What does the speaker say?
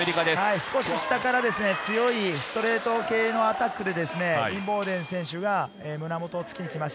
少し下から強いストレート系のアタックでインボーデン選手が胸元突きに来ました。